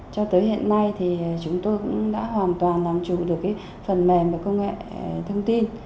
cho tới hiện nay thì chúng tôi cũng đã hoàn toàn làm chủ được cái phần mềm và công nghệ thông tin